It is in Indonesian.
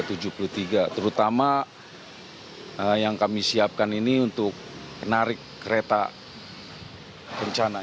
terutama yang kami siapkan ini untuk menarik kereta kencana